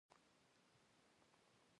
کاناډا د ډیپلوماسۍ اداره لري.